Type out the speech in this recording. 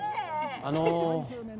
あの。